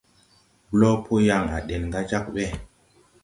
Blo po yaŋ à deŋ ga Djakbé.